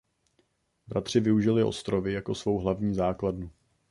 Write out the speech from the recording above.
Bratři využili ostrovy jako svou hlavní základnu.